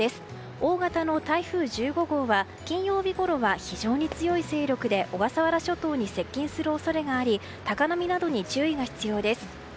大型の台風１５号は金曜日ごろは非常に強い勢力で小笠原諸島に接近する恐れがあり高波などに注意が必要です。